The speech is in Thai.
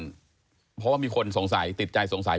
เพราะว่ามีคนสงสัยติดใจสงสัย